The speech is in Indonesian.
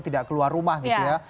tidak keluar rumah gitu ya